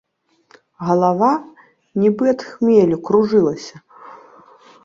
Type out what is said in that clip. Галава, нібы ад хмелю, кружылася.